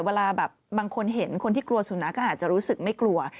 เวลาแบบบางคนเห็นคนที่กลัวสุนัขก็อาจจะรู้สึกไม่กลัว